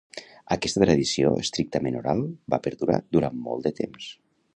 Aquesta tradició estrictament oral va perdurar durant molt de temps.